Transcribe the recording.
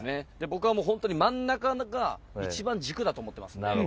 僕は真ん中が一番軸だと思ってます。